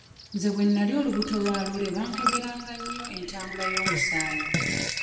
Nze bwe nali olubuto lwa Lule bankeberanga nnyo entambula y'omusaayi.